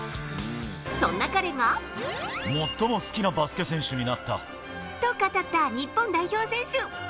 そんな彼が、最も好きなバスケ選手になったと語った日本代表選手。